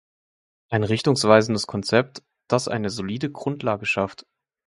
Ein richtungsweisendes Konzept, das eine solide Grundlage schafft.